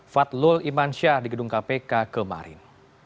fadlul iman syah di gedung kpk kemarin